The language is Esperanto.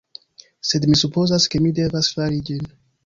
Sed mi supozas ke mi devas fari ĝin!